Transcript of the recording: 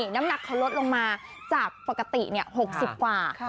น้ำหนักเขาลดลงมาจากปกติ๖๐กว่า